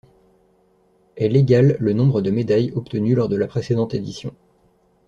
Elle égale le nombre de médailles obtenues lors de la précédente édition.